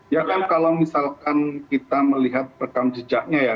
ya kan kalau misalkan kita melihat rekam jejaknya ya